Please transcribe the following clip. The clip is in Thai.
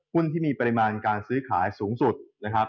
ที่มีปริมาณการซื้อขายสูงสุดนะครับ